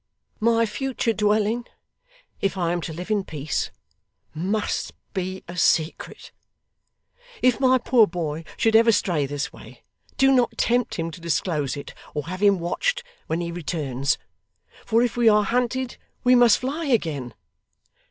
My future dwelling, if I am to live in peace, must be a secret. If my poor boy should ever stray this way, do not tempt him to disclose it or have him watched when he returns; for if we are hunted, we must fly again.